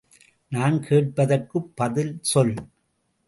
நான் கேட்பதற்குப் பதில் சொல்.